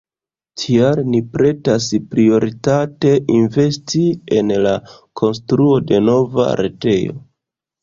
Tial ni pretas prioritate investi en la konstruo de nova retejo.